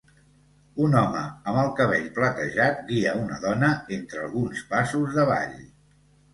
Un home amb el cabell platejat guia una dona entre alguns passos de ball.